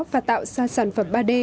và tạo ra sản phẩm ba d